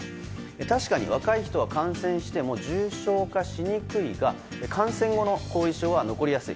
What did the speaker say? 確かに若い人は感染しても重症化しにくいが感染後の後遺症は残りやすい。